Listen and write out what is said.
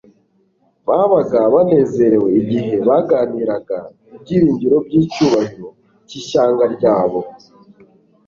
Babaga banezerewe igihe baganiraga ibyiringiro by'icyubahiro cy'ishyanga ryabo.